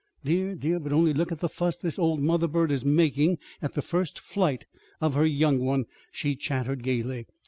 "Dear, dear, but only look at the fuss this old mother bird is making at the first flight of her young one!" she chattered gayly.